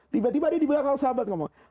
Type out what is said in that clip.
tiba tiba dia di belakang sahabat ngomong